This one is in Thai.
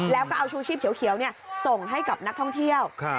แล้วก็เอาชูชีพเขียวส่งให้กับนักท่องเที่ยว